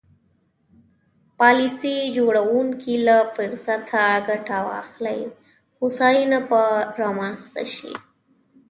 پالیسي جوړوونکي له فرصته ګټه واخلي هوساینه به رامنځته شي.